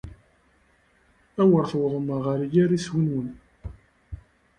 Awer tawḍem ɣer yir iswi-nwen.